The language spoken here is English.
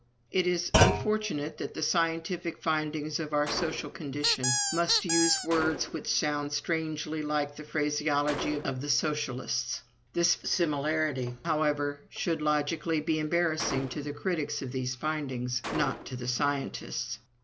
It is unfortunate that the scientific findings of our social condition must use words which sound strangely like the phraseology of the Socialists. This similarity, however, should logically be embarrassing to the critics of these findings, not to the scientists.